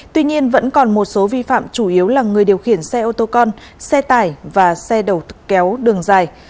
tuy nhiên vẫn còn một số vi phạm chủ yếu là người điều khiển xe ô tô con xe tải và xe đầu kéo đường dài